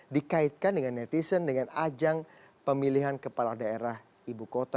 dikaitkan dengan netizen dengan ajang pemilihan kepala daerah ibu kota